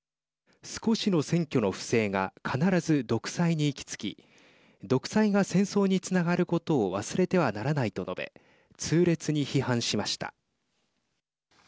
少しの選挙の不正が必ず独裁に行き着き独裁が戦争につながることを忘れてはならないと述べ痛烈に批判しました。